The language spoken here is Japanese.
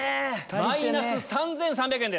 マイナス３３００円です。